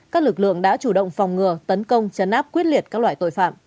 các lực lượng đã chủ động phòng ngừa tấn công chấn áp quyết liệt các loại tội phạm